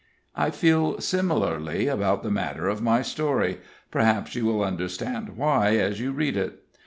I feel similarly about the matter of my story perhaps you will understand why as you read it.